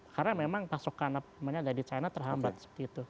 karena memang pasokannya ada di china terhambat